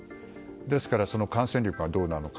ですからその感染力がどうなのか。